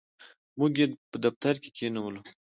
موږ یې په دفتر کې کښېنولو.